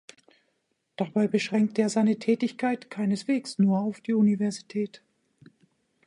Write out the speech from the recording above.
Dabei beschränkte er seine Tätigkeit keineswegs nur auf die Universität.